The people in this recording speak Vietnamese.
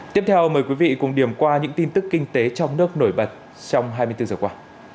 tiếp theo mời quý vị cùng điểm qua những tin tức kinh tế trong nước nổi bật trong hai mươi bốn giờ qua